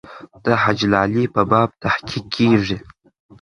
د حاجي لالي په باب تحقیق کېږي.